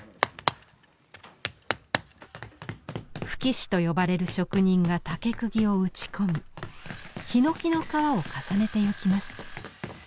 「葺師」と呼ばれる職人が竹釘を打ち込みひのきの皮を重ねてゆきます。